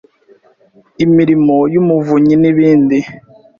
imirimo y’umuvunyi n’ibindi.